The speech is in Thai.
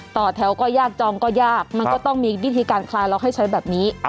ต่อแถวก็ยากจองก็ยากมันก็ต้องมีวิธีการคลายล็อกให้ใช้แบบนี้